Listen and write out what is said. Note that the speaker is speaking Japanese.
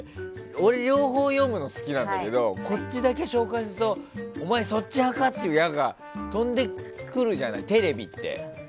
俺は両方読むのが好きなんだけどこっちだけ紹介するとお前、そっち派か？という矢が飛んでくるじゃない、テレビって。